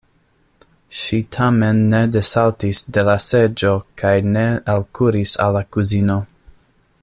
Ŝi tamen ne desaltis de la seĝo kaj ne alkuris al la kuzino.